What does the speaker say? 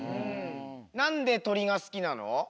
なんでとりがすきなの？